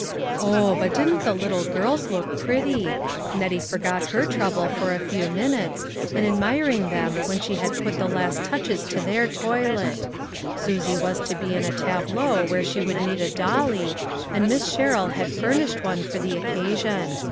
Oh! but didn't the little girls look pretty! Nettie forgot her trouble for a few minutes, in admiring them when she had put the last touches THE FLOWER PAETY. 307 to their toilet. Susie was to be in a tableau where she would need a dolly, and Miss Sherrill had furnished one for the occasion.